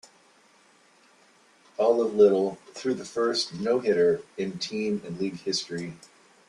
Olive Little threw the first no-hitter in team and league history.